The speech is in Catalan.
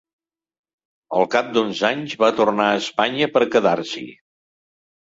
El cap d’uns anys, va tornar a Espanya per quedar-s’hi.